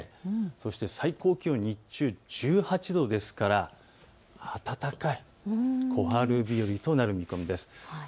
最高気温、日中１８度ですから暖かい、小春日和となるんです。